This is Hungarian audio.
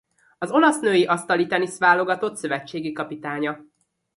Az olasz női asztalitenisz válogatott szövetségi kapitánya.